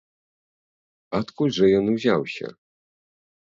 Адкуль жа ён узяўся?